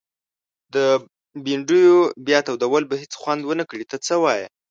د بنډیو بیا تودول به هيڅ خوند ونکړي ته څه وايي؟